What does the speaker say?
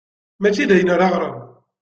Mačči d ayen ara ɣren.